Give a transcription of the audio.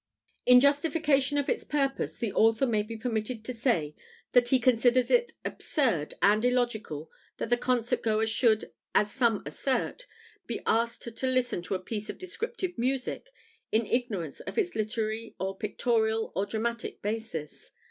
In justification of its purpose, the author may be permitted to say that he considers it absurd and illogical that the concert goer should, as some assert, be asked to listen to a piece of descriptive music in ignorance of its literary or pictorial or dramatic basis.